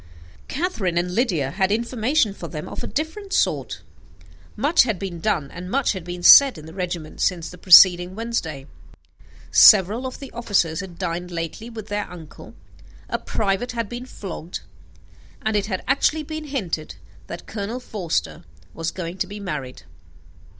Catherine and Lydia had information for them of a different sort. Much had been done, and much had been said in the regiment since the preceding Wednesday; several of the officers had dined lately with their uncle; a private had been flogged; and it had actually been hinted that Colonel Forster was going to be married.